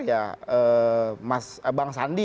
ya bang sandi